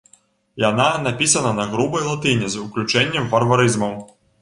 Яна напісана на грубай латыні з уключэннем варварызмаў.